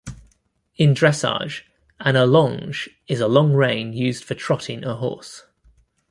In dressage an allonge is a long rein used for trotting a horse.